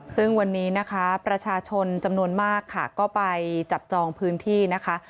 ซึ่งวันนี้นะคะประชาชนจำนวนมากค่ะก็ไปจับจองพื้นที่นะคะ